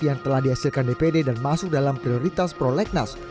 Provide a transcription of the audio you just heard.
yang telah dihasilkan dpd dan masuk dalam prioritas prolegnas